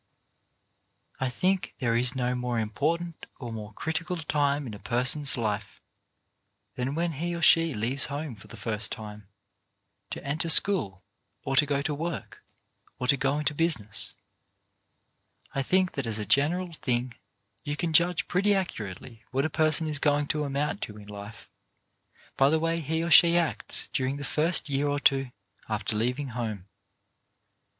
I think there is no more important or more critical time in a person's life than when he or she leaves home for the first time, to enter school, or to go to work, or to go into business. I think that as a general thing you can judge pretty accurately what a person is going to amount to in life by the way he or she acts during the first year or two after leaving home.